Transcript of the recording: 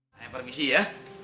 saya permisi ya